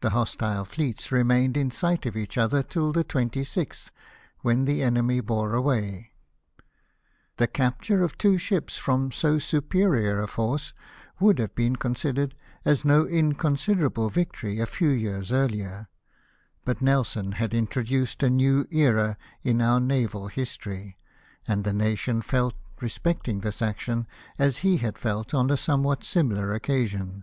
The hostile fleets remained in sight of each other till the 26th, when the enemy bore away. The capture of two ships from so superior a force would have been considered as no inconsider able victory a few years earlier ; but Nelson had introduced a new era in our naval history, and the nation felt respecting this action as he had felt on a somewhat similar occasion.